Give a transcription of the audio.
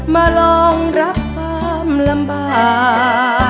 มารองรับความลำบาก